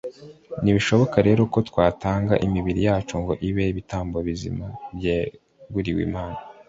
ntibishoboka rero ko twatanga imibiri yacu ngo ibe ibitambo bizima byeguriwe imana